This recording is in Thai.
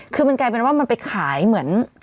คือมันกลายเป็นว่ามันไปขายเหมือน